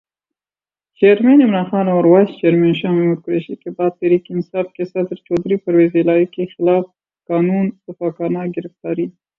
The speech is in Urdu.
چیئرمین عمران خان اور وائس چیئرمین شاہ محمود قریشی کے بعد تحریک انصاف کے صدر چودھری پرویزالہٰی کی خلافِ قانون سفّاکانہ گرفتاری